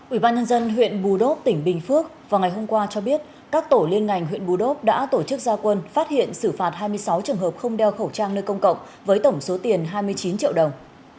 ủy ban nhân dân huyện bù đốc tỉnh bình phước vào ngày hôm qua cho biết các tổ liên ngành huyện bù đốp đã tổ chức gia quân phát hiện xử phạt hai mươi sáu trường hợp không đeo khẩu trang nơi công cộng với tổng số tiền hai mươi chín triệu đồng